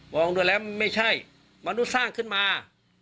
ดูแล้วไม่ใช่มนุษย์สร้างขึ้นมา